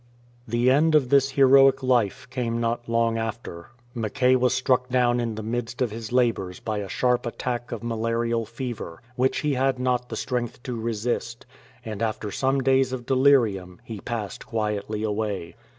The end of this heroic life came not long after. Mackay was struck down in the midst of his labours by a sharp attack of malarial fever, which he had not the strength to resist, and after some days of delirium he passed quietly away.